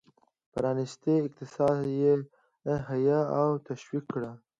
پرانیستی اقتصاد یې حیه او تشویق کړ.